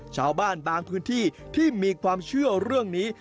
ชาวบ้านบางพื้นที่ที่มีความเชื่อเรื่องนี้